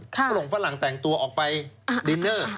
ฝรงฝรั่งแต่งตัวออกไปดินเนอร์